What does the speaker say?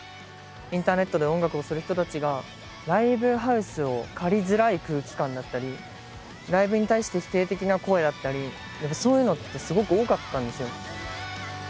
インターネットで音楽をする人たちがライブハウスを借りづらい空気感だったりライブに対して否定的な声だったりやっぱそういうのってすごく多かったんですよ。